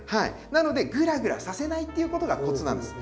なのでグラグラさせないっていうことがコツなんです。